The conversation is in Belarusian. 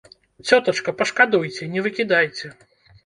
Цётачка, пашкадуйце, не выкідайце.